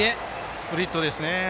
スプリットですね。